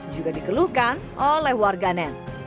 juga dikeluhkan oleh warganet